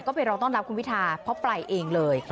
ก็ไปรอต้อนรับคุณพิทาเพราะไปเองเลย